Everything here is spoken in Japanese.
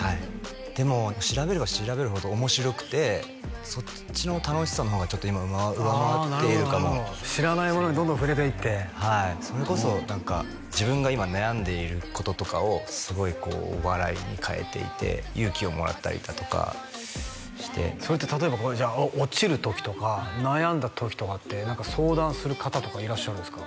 でも調べれば調べるほど面白くてそっちの楽しさの方が今上回っているかも知らないものにどんどん触れていってそれこそ何か自分が今悩んでいることとかをすごい笑いに変えていて勇気をもらったりだとかしてそれって例えばじゃあ落ちる時とか悩んだ時とかって何か相談する方とかいらっしゃるんですか？